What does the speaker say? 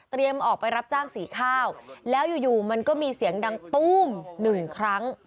ออกไปรับจ้างสีข้าวแล้วอยู่มันก็มีเสียงดังตู้มหนึ่งครั้ง